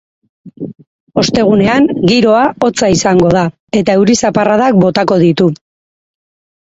Ostegunean, giroa hotza izango da, eta euri-zaparradak botako ditu.